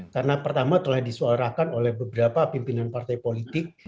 karena pertama telah disuarakan oleh beberapa pimpinan partai politik